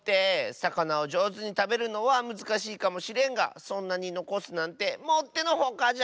さかなをじょうずにたべるのはむずかしいかもしれんがそんなにのこすなんてもってのほかじゃ！